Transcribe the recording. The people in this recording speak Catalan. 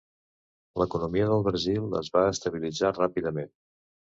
L'economia del Brasil es va estabilitzar ràpidament.